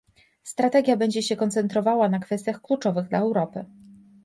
Strategia będzie się koncentrowała na kwestiach kluczowych dla Europy